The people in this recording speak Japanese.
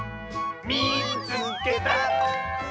「みいつけた！」。